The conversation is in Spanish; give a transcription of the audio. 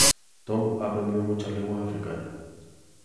Tom ha aprendido muchas lenguas africanas.